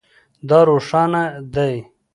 دا روښانه دی